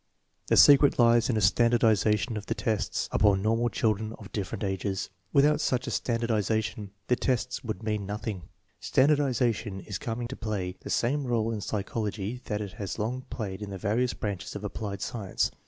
The secret lies in the standardization of the tests 4 INTELLIGENCE OF SCHOOL CHILDBEN upon normal children of different ages. Without such a standardization the tests would mean nothing. Standardization is coming to play the same r61e in psychology that it has long played in the various branches of applied science.